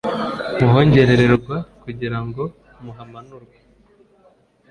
Muhongerererwa kugira ngo muhumanurwe